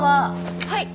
はい！